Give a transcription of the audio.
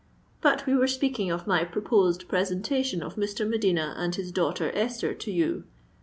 But we were speaking of my proposed presentation of Mr. de Medina and his daughter Esther to you.